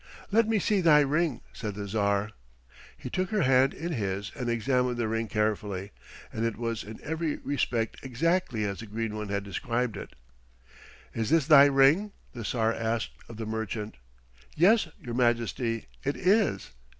"Let me see thy ring," said the Tsar. He took her hand in his and examined the ring carefully, and it was in every respect exactly as the Green One had described it. "Is this thy ring?" the Tsar asked of the merchant. "Yes, your majesty, it is."